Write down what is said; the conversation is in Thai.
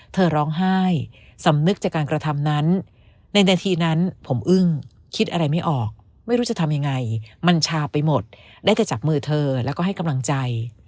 เธอร้องไห้สำนึกจากการกระทำนั้นในนาทีนั้นผมอึ้งคิดอะไรไม่ออกไม่รู้จะทำยังไงมันชาไปหมดได้แต่จับมือเธอแล้วก็ให้กำลังใจ